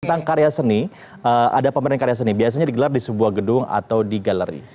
tentang karya seni ada pemeran karya seni biasanya digelar di sebuah gedung atau di galeri